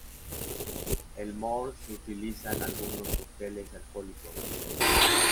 El mors se utiliza en algunos cócteles alcohólicos.